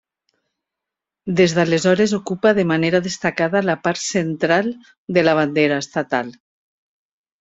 Des d'aleshores ocupa de manera destacada la part central de la bandera estatal.